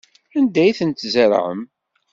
Anda ay ten-tzerɛem?